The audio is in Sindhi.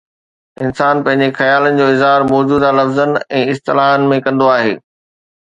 انسان پنهنجي خيالن جو اظهار موجوده لفظن ۽ اصطلاحن ۾ ڪندو آهي.